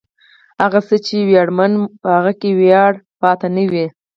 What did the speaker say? هغه څه چې ویاړمن و، په هغه کې ویاړ پاتې نه و.